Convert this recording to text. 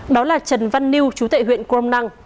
đó là trần văn liêu chú tệ huyện crom năng